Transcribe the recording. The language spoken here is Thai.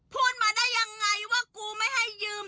พูดมาได้ยังไงว่ากูไม่ให้ยืม